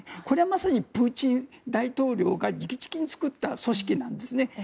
これはまさにプーチン大統領が直々に作った組織なんですね。